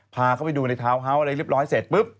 พาเข้าไปดูในทาวน์เฮาส์อะไรเรียบร้อยเสร็จปุ๊บ